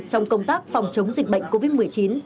trong công tác phòng chống dịch bệnh covid một mươi chín